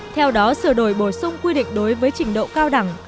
theo đó sửa đổi bổ sung quy định đối với trình độ cao đẳng